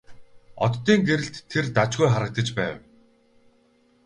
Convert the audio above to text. Оддын гэрэлд тэр дажгүй харагдаж байв.